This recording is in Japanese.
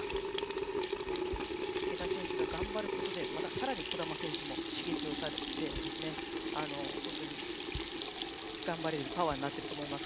池田選手が頑張ることでまたさらに児玉選手も刺激されて頑張れるパワーになると思います。